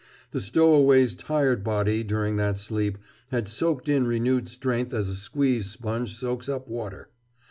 The stowaway's tired body, during that sleep, had soaked in renewed strength as a squeezed sponge soaks up water.